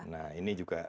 nah ini juga